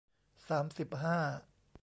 สามสิบห้า